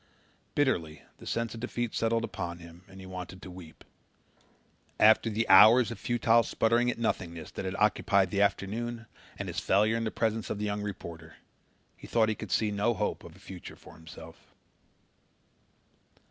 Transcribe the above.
Bitterly the sense of defeat settled upon him and he wanted to weep. After the hours of futile sputtering at nothingness that had occupied the afternoon and his failure in the presence of the young reporter, he thought he could see no hope of a future for himself.